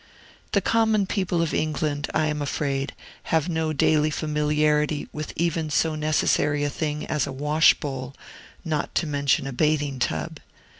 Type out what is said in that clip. The common people of England, I am afraid, have no daily familiarity with even so necessary a thing as a wash bowl, not to mention a bathing tub.